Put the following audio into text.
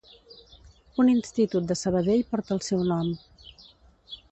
Un institut de Sabadell porta el seu nom.